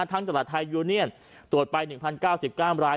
ตลาดไทยยูเนียนตรวจไป๑๐๙๙ราย